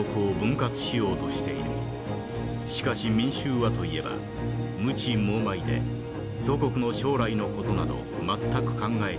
しかし民衆はといえば無知蒙昧で祖国の将来の事など全く考えていない。